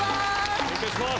お願いします。